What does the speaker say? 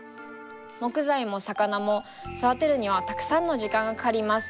木材も魚も育てるにはたくさんの時間がかかります。